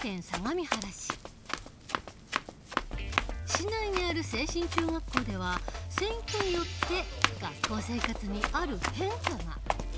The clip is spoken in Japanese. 市内にある清新中学校では選挙によって学校生活にある変化が。